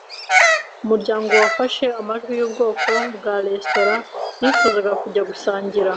Umuryango wafashe amajwi yubwoko bwa resitora bifuzaga kujya gusangira